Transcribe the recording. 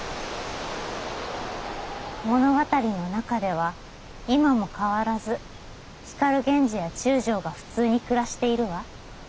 物語の中では今も変わらず光源氏や中将が普通に暮らしているわ。